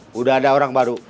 sudah ada orang baru